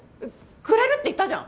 くれるって言ったじゃん。